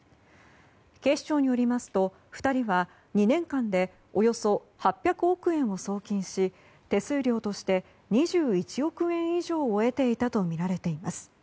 警視庁によりますと２人は、２年間でおよそ８００億円を送金し手数料として２１億円以上を得ていたとみられています。